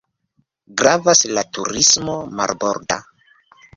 Gravas la turismo marborda.